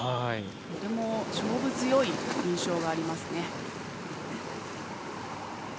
とても勝負強い印象がありますね。